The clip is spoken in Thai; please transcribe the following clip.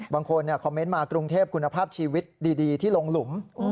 บางคนคอมเมนต์มากรุงเทพคุณภาพชีวิตดีที่ลงหลุม